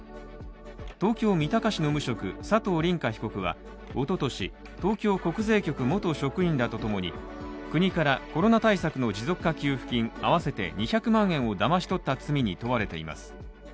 東京・三鷹市の無職、佐藤凛果被告はおととし東京国税局元職員らとともに国からコロナ対策の持続化給付金、合わせて２００万円をだまし取った罪に問われています。